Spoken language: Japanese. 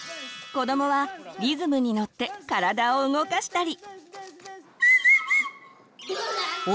子どもはリズムにのって体を動かしたり。